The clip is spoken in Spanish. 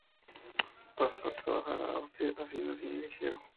Pasó a trabajar a Austria, haciendo cine ligero.